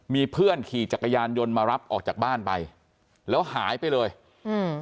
มีเพื่อนขี่จักรยานยนต์มารับออกจากบ้านไปแล้วหายไปเลยอืม